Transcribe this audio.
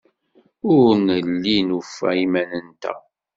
Ur nelli nufa iman-nteɣ.